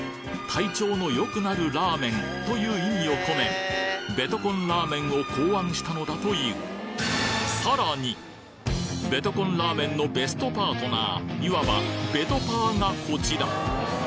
「体調の良くなるラーメン」という意味を込めベトコンラーメンを考案したのだというベトコンラーメンのベストパートナーいわば「ベトパー」がこちら！